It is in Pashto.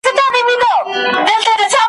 چې نور لۀ دې سیاست او باچاهي تېر شه